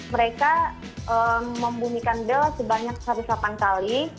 mereka membunyikan del sebanyak satu delapan kali